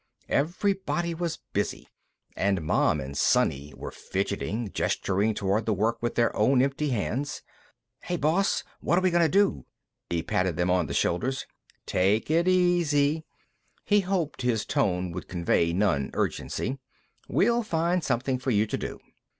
Everybody was busy, and Mom and Sonny were fidgeting, gesturing toward the work with their own empty hands. Hey, boss; whatta we gonna do? He patted them on the shoulders. "Take it easy." He hoped his tone would convey nonurgency. "We'll find something for you to do."